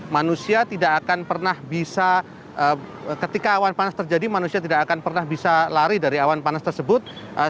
manusia tidak akan pernah bisa ketika awan panas terjadi manusia tidak akan pernah bisa lari dari awan panas tersebut